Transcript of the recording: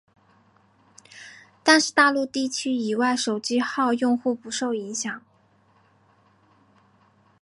但是大陆地区以外手机号用户不受影响。